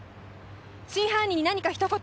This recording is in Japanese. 真犯人に何か一言。